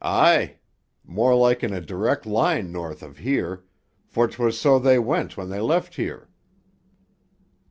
"Aye. More like in a direct line north of here, for 'twas so they went when they left here."